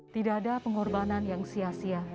tidak ada pengorbanan yang sia sia